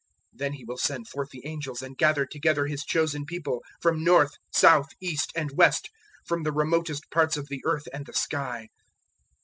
013:027 Then He will send forth the angels and gather together His chosen People from north, south, east and west, from the remotest parts of the earth and the sky.